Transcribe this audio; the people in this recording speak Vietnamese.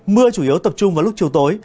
mưa chủ yếu tập trung vào lúc chiều tối